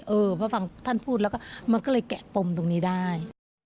เออเพราะฟังท่านพูดแล้วก็มันก็เลยแกะปมตรงนี้ได้